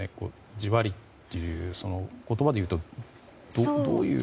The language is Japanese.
じわりという言葉で言うとどういう。